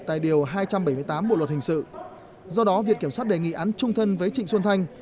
tại điều hai trăm bảy mươi tám bộ luật hình sự do đó viện kiểm sát đề nghị án trung thân với trịnh xuân thanh